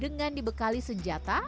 dengan dibekali senjata